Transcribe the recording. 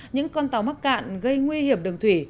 những con tàu mắc cạn gây nguy hiểm đường thủy